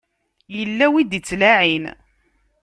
Yella win i d-ittlaɛin.